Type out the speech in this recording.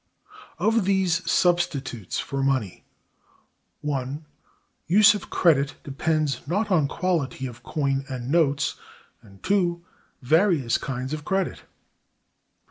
Of these substitutes for money, (1) Use of credit depends not on quality of coin and notes, and (2) Various kinds of credit.